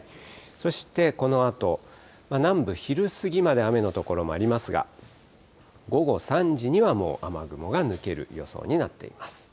そしてこのあと、南部、昼過ぎまで雨の所もありますが、午後３時にはもう雨雲が抜ける予想になっています。